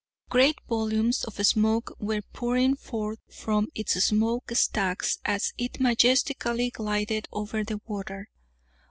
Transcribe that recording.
Great volumes of smoke were pouring forth from its smoke stacks as it majestically glided over the water.